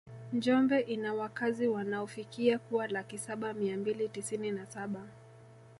Njombe ina wakazi wanaofikia kuwa laki saba mia mbili tisini na saba